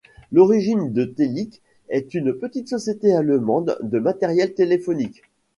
L'origine de Télic est une petite société allemande de matériel téléphonique.